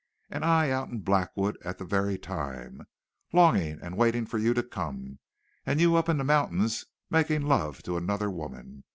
And I out in Blackwood at that very time, longing and waiting for you to come, and you up in the mountains making love to another woman.